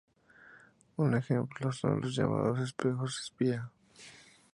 Un ejemplo son los llamados espejos-espía.